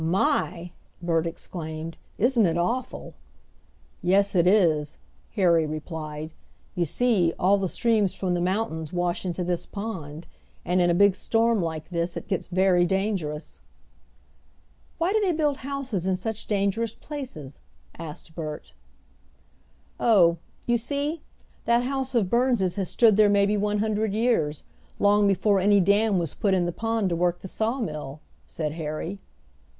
"My!" Bert exclaimed; "isn't it awful!" "Yes, it is," Harry replied. "You see, all the streams from the mountains wash into this pond, and in a big storm like this it gets very dangerous." "Why do they build houses in such dangerous places?" asked Bert. "Oh, you see, that house of Burns' has stood there maybe one hundred years long before any dam was put in the pond to work the sawmill," said Harry.